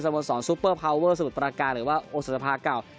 สโมสรซุปเปอร์พาวเวอร์สูตรการหรือว่าอสภา๙